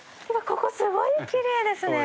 ここすごいきれいですね。